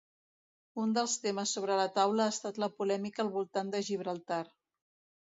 Un dels temes sobre la taula ha estat la polèmica al voltant de Gibraltar.